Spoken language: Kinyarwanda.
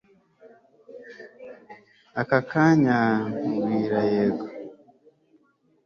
aka kanya nkubwira yego